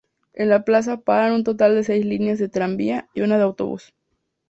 En la plaza paran un total seis líneas de tranvía y una de autobús.